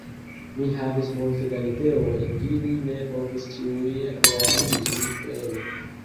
Mi havis multe da ideoj ili ne povis ĉiuj realiĝi plene.